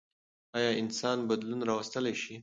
ايا انسانان بدلون راوستلی شي؟